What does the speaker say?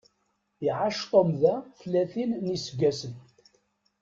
Iɛac Tom da tlatin n iseggasen.